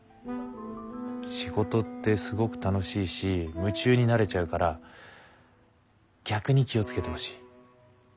仕事ってすごく楽しいし夢中になれちゃうから逆に気を付けてほしい。